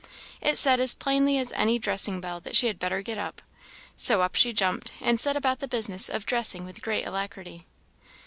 It said as plainly as any dressing bell that she had better get up. So up she jumped, and set about the business of dressing with great alacrity.